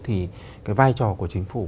thì cái vai trò của chính phủ